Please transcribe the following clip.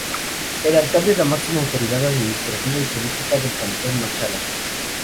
El Alcalde es la máxima autoridad administrativa y política del Cantón Machala.